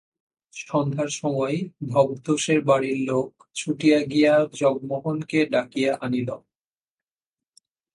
সন্ধ্যার সময় ভবতোষের বাড়ি লোক ছুটিয়া গিয়া জগমোহনকে ডাকিয়া আনিল।